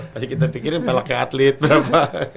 pasti kita pikirin pelaknya atlet berapa